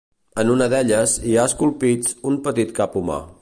En una d'elles hi ha esculpits un petit cap humà.